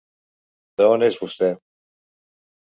Don és vostè?